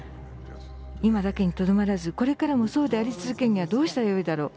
今だけにとどまらずこれからもそうであり続けるにはどうしたらよいだろう。